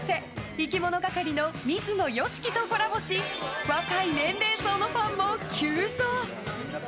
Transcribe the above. いきものがかりの水野良樹とコラボし若い年齢層のファンも急増！